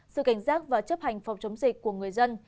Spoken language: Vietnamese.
sự cảnh giác và chấp hành phòng chống dịch của người dân